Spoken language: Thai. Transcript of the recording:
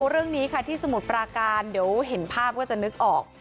เรื่องนี้ค่ะที่สมุทรปราการเดี๋ยวเห็นภาพก็จะนึกออก